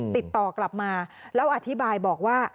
ติดต่อกลับมาแล้วอธิบายบอกว่า